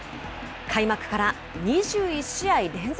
開幕から２１試合連続